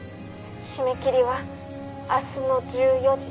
「締め切りは明日の１４時」